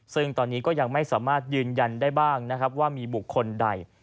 ซึ่งตอนนี้ก็ยังไม่สามารถยืนยันได้บ้างนะครับว่ามีบุคคลใด